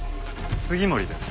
杉森です。